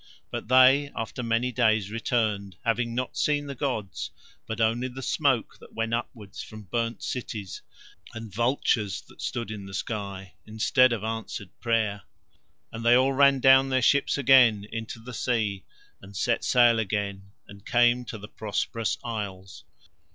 But they after many days returned, having not seen the gods but only the smoke that went upward from burned cities, and vultures that stood in the sky instead of answered prayer. And they all ran down their ships again into the sea, and set sail again and came to the Prosperous Isles.